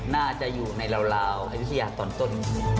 น่าจะอยู่ในราวอายุทยาตอนต้น